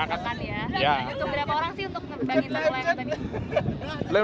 untuk berapa orang sih untuk menerbangkan layang layang ini